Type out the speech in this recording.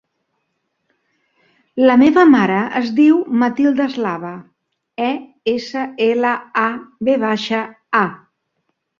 La meva mare es diu Matilda Eslava: e, essa, ela, a, ve baixa, a.